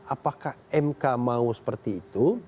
apakah mk mau seperti itu